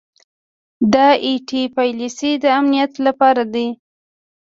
دا ائ ټي پالیسۍ د امنیت لپاره دي.